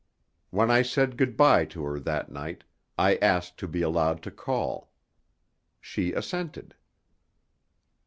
When I said good bye to her that night, I asked to be allowed to call. She assented.